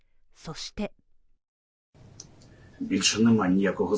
そして